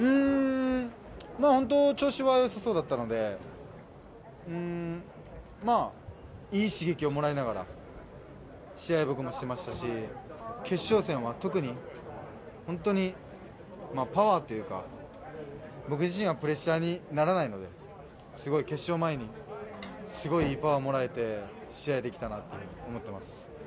本当に調子は良さそうだったのでいい刺激をもらいながら試合を僕もしてましたし決勝戦は特に本当にパワーというか僕自身はプレッシャーにならないので決勝前にすごい、いいパワーをもらえて試合できたなって思っています。